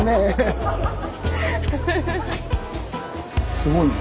すごいね。